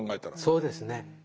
そうですね。